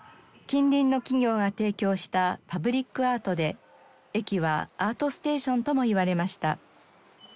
近隣の企業が提供したパブリックアートで駅はアートステーションとも言われました。